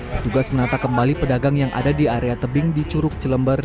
petugas menata kembali pedagang yang ada di area tebing di curug cilember